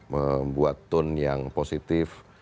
membuat tone yang positif